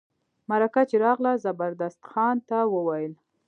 مرکه چي راغله زبردست خان ته وویل.